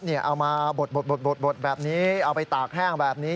เอามาบดแบบนี้เอาไปตากแห้งแบบนี้